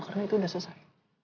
karena itu udah selesai